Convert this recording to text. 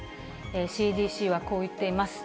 ＣＤＣはこう言っています。